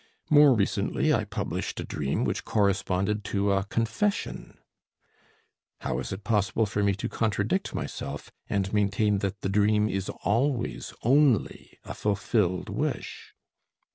More recently I published a dream which corresponded to a confession. How is it possible for me to contradict myself, and maintain that the dream is always only a fulfilled wish?